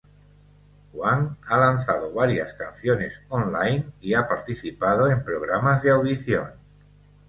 Wang ha lanzado varias canciones online y ha participado en programas de audición.